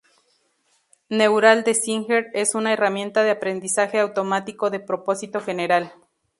Neural Designer es una herramienta de aprendizaje automático de propósito general.